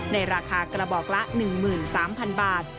ในราคากระบอกละ๑๓๐๐๐บาท